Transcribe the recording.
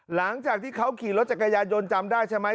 หลังจากที่เขาขี่รถจักรยานยนต์จำได้ใช่ไหม